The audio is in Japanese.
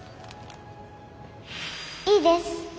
いいです。